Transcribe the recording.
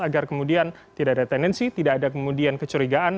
agar kemudian tidak ada tendensi tidak ada kemudian kecurigaan